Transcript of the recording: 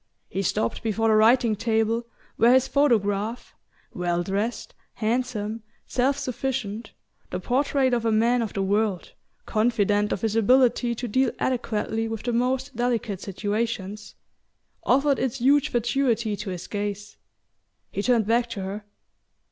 He stopped before the writing table, where his photograph, well dressed, handsome, self sufficient the portrait of a man of the world, confident of his ability to deal adequately with the most delicate situations offered its huge fatuity to his gaze. He turned back to her.